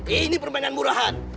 ini permainan murahat